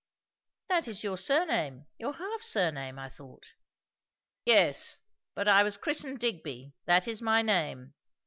"That is your surname your half surname, I thought." "Yes, but I was christened Digby. That is my name.